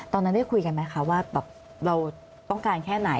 ตอนนั้นได้คุยกันไหมคะว่าแบบเราต้องการแค่ไหน